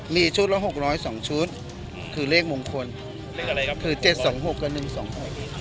มีชุดละ๖๐๐๒ชุดคือเลขมงคลคือ๗๒๖กับ๑๒๖